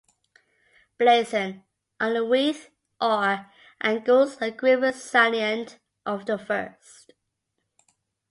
Blazon: On a wreath Or and Gules, a griffin salient of the first.